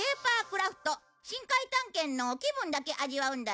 深海探検の気分だけ味わうんだよ。